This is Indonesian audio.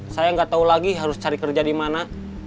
saya nggak tahu lagi harus cari kerja di mana